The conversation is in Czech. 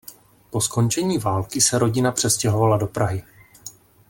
Po skončení války se rodina přestěhovala do Prahy.